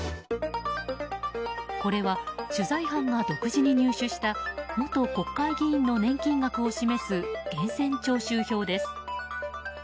これは、取材班が独自に入手した元国会議員の年金額を示す源泉徴収票です。